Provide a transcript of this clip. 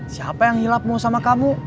siapa yang hilap mau sama kamu